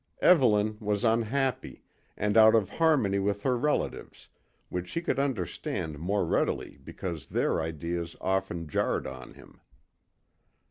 Evelyn was unhappy, and out of harmony with her relatives, which he could understand more readily because their ideas often jarred on him.